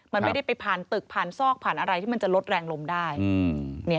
มันไม่ได้ไปผ่านตึกผ่านซอกผ่านอะไรที่มันจะลดแรงลมได้